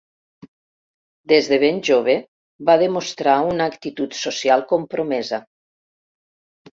Des de ben jove va demostrar una actitud social compromesa.